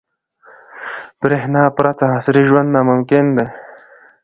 • برېښنا پرته عصري ژوند ناممکن دی.